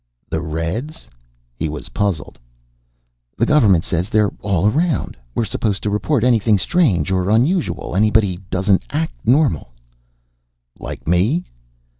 "The Reds?" He was puzzled. "The government says they're all around. We're supposed to report anything strange or unusual, anybody doesn't act normal." "Like me?"